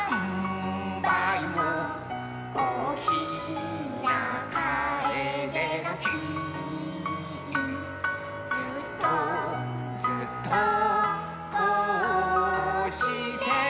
「おおきなカエデの木」「ずっとずっとこうして」